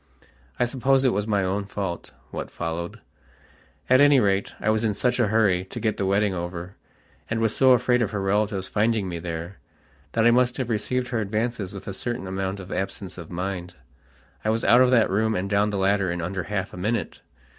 I suppose it was my own fault, what followed. At any rate, I was in such a hurry to get the wedding over, and was so afraid of her relatives finding me there, that I must have received her advances with a certain amount of absence of mind. I was out of that room and down the ladder in under half a minute.